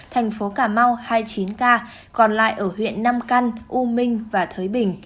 thành phố cà mau hai mươi chín ca còn lại ở huyện nam căn u minh và thới bình